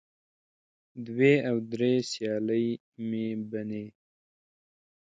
دوې او درې سیالې مې بنې